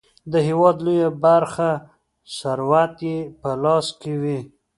د هیواد لویه برخه ثروت یې په لاس کې وي.